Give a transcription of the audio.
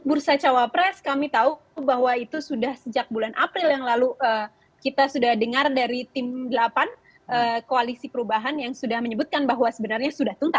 bursa cawapres kami tahu bahwa itu sudah sejak bulan april yang lalu kita sudah dengar dari tim delapan koalisi perubahan yang sudah menyebutkan bahwa sebenarnya sudah tuntas